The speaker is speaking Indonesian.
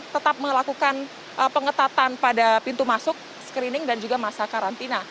tetap melakukan pengetatan pada pintu masuk screening dan juga masa karantina